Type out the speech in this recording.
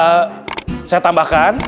eh saya tambahkan